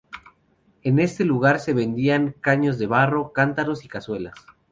En este lugar se vendían caños de barro, cántaros y cazuelas.